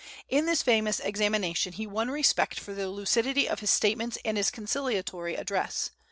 In this famous examination he won respect for the lucidity of his statements and his conciliatory address.